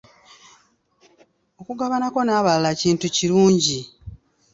Okugabanako n'abalala kintu kirungi.